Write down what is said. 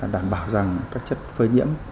đảm bảo rằng các chất phơi nhiễm